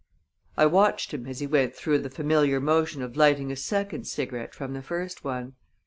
I watched him as he went through the familiar motion of lighting a second cigarette from the first one.